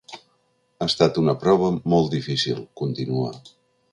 Ha estat una prova molt difícil, continua.